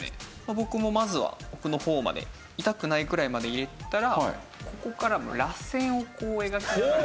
僕もまずは奥の方まで痛くないくらいまで入れたらここかららせんをこう描きながら。